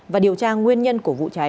và điều tra nguyên nhân của vụ cháy